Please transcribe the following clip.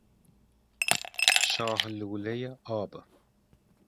شاه لولهی آب